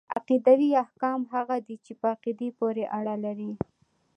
عقيدوي احکام هغه دي چي په عقيدې پوري اړه لري .